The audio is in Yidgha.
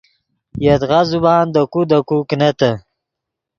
یدغا زبان دے کو دے کو کینتے